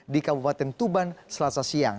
di kabupaten tuban selasa siang